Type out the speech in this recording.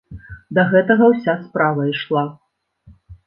Да гэтага ўся справа ішла.